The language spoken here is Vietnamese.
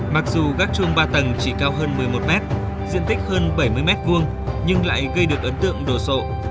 mặc dù gác chuông ba tầng chỉ cao hơn một mươi một mét diện tích hơn bảy mươi m hai nhưng lại gây được ấn tượng đồ sộ